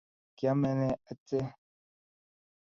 Kiome ne ache?